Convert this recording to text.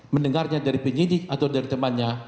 mendengarnya dari penyidik atau dari temannya